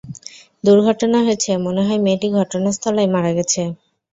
দুর্ঘটনা হয়েছে, মনে হয় মেয়েটি ঘটনাস্থলেই মারা গেছে।